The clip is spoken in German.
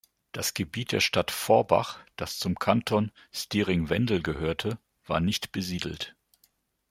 Das Gebiet der Stadt Forbach, das zum Kanton Stiring-Wendel gehörte, war nicht besiedelt.